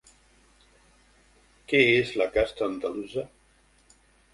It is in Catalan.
Què és la casta andalusa?